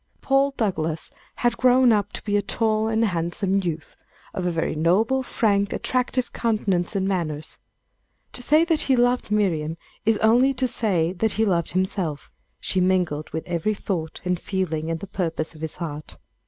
Paul Douglass had grown up to be a tall and handsome youth, of a very noble, frank, attractive countenance and manners. To say that he loved Miriam is only to say that he loved himself. She mingled with every thought, and feeling, and purpose of his heart.